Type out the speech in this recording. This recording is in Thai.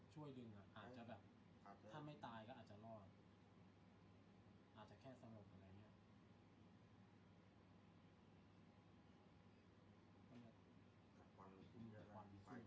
โปรดติดตามตอนต่อไป